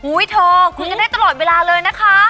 อู่วเธอคุณจะได้ตลอดเวลาเลยนะคะ